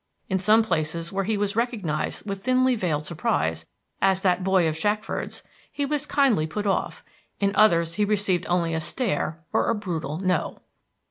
In some places, where he was recognized with thinly veiled surprise as that boy of Shackford's, he was kindly put off; in others he received only a stare or a brutal No.